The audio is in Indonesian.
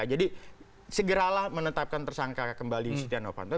jadi segeralah menetapkan tersangka kembali di sitianopanto